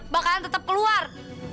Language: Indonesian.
bakalan tetap keluar